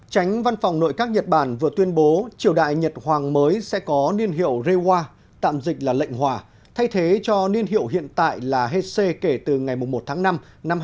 chánh văn phòng nội các nhật bản vừa tuyên bố triều đại nhật hoàng mới sẽ có niên hiệu reiwa thay thế cho niên hiệu hiện tại là heisei kể từ ngày một tháng năm năm hai nghìn một mươi chín